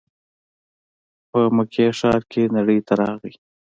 په مکې ښار کې نړۍ ته راغی.